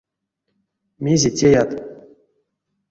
Мезе теят.